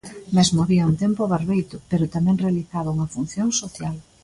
Mesmo había un tempo a barbeito, pero tamén realizaba unha función social.